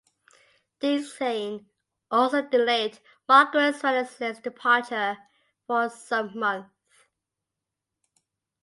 Decaen also delayed "Marquis Wellesley"s departure for some months.